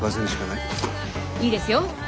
いいですよ。